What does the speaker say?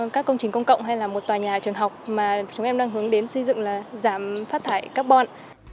các công trình công cộng hay là một tòa nhà trường học mà chúng em đang hướng đến xây dựng là giảm phát thải carbon